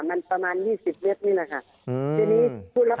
มันประมาณ๒๐เมตรนี่แหละค่ะ